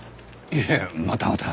いやまたまた。